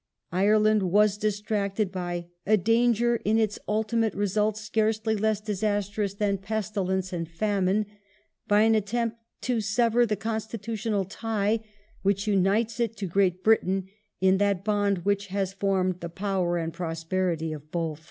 Ire land was distracted by " a danger, in its ultimate results scarcely less disastrous than pestilence and famine," by an attempt "to sever the Constitutional tie which unites it to Great Britain in that bond which has formed the power and prosperity of both